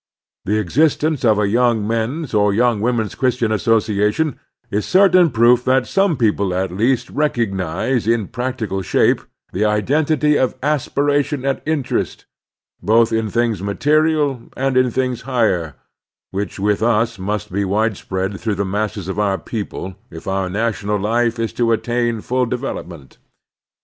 The existence of a Young 90 3P5 3o6 The Strenuous Life Men's or Young Women's Christian Association is certain proof that some people at least recog nize in practical shape the identity of aspiration and interest, both in things material and in things higher, which with us must be widespread through the masses of our people if our national life is to attain full development.